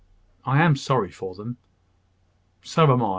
"I am sorry for them." "So am I.